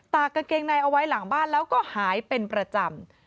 กางเกงในเอาไว้หลังบ้านแล้วก็หายเป็นประจำ